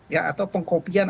ya atau pengkopian